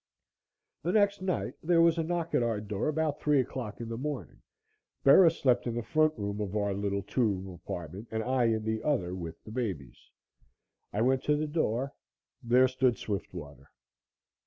The next night, there was a knock at our door about 3 o'clock in the morning. Bera slept in the front room of our little two room apartment and I in the other with the babies. I went to the door there stood Swiftwater.